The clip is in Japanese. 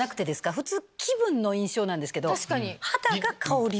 普通気分の印象なんですけど肌が香りを？